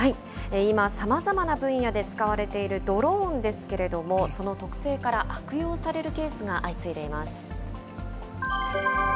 今、さまざまな分野で使われているドローンですけれども、その特性から悪用されるケースが相次いでいます。